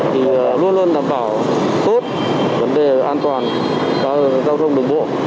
thì luôn luôn đảm bảo tốt vấn đề an toàn giao thông đường bộ